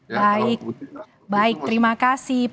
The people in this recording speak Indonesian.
baik baik terima kasih pak joko setiawan